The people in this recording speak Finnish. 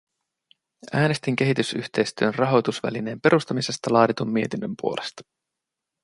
Äänestin kehitysyhteistyön rahoitusvälineen perustamisesta laaditun mietinnön puolesta.